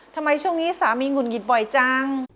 ทำไมช่วงนี้สามีหงุดหงิดบ่อยจัง